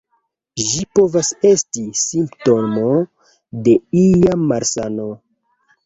Ĝi povas esti simptomo de ia malsano.